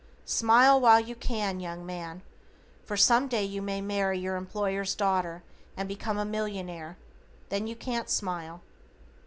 Smile while you can, young man, for some day you may marry your employer's daughter, and become a millionaire; then you can't smile.